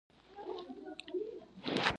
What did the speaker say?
د ازادۍ او عدالت رڼا.